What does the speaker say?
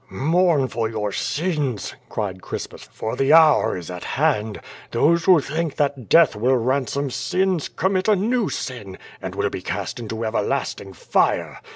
"Mourn for your sins," cried Crispus, "for the hour is at hand. Those who think that death will ransom sins, commit a new sin and will be cast into everlasting fire.